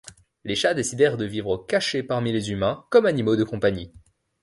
Les chats décidèrent de vivre cachés parmi les humains comme animaux de compagnie.